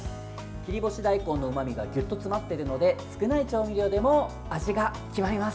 切り干し大根のうまみがぎゅっと詰まっているので少ない調味料でも味が決まります。